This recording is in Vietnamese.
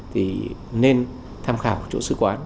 thì nên tham khảo chỗ sư quán